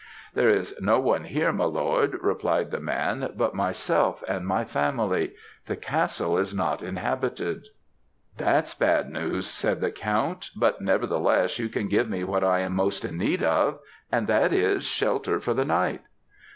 "'There is no one here, my lord,' replied the man, 'but myself and my family; the castle is not inhabited.' "'That's bad news,' said the count; 'but nevertheless, you can give me what I am most in need of, and that is shelter for the night.'